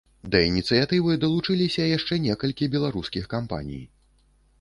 Да ініцыятывы далучыліся яшчэ некалькі беларускіх кампаній.